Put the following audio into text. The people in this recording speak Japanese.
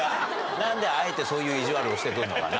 なんであえてそういう意地悪をしてくるのかな。